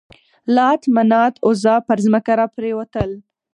لات، منات، عزا پر ځمکه را پرېوتل.